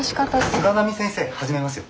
菅波先生始めますよ。